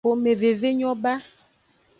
Xomeveve nyo ba.